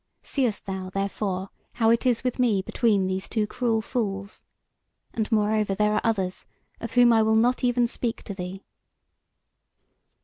Seest thou, therefore, how it is with me between these two cruel fools? And moreover there are others of whom I will not even speak to thee."